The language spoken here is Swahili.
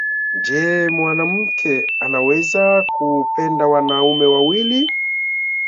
Je! Mwanamke anaweza kupenda wanaume wawili?